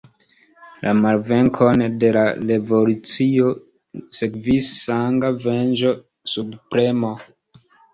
La malvenkon de la revolucio sekvis sanga venĝo, subpremo.